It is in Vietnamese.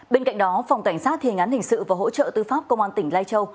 bên cạnh đó phòng cảnh sát thiên án hình sự và hỗ trợ tư pháp công an tỉnh lai châu